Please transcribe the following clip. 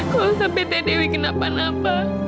kau udah tak pedih dewi kenapa napa